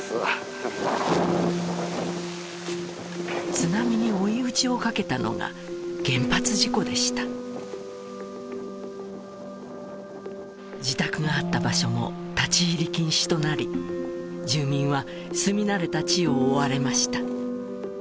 津波に追い打ちをかけたのが原発事故でした自宅があった場所も立ち入り禁止となり住民は住み慣れた地を追われました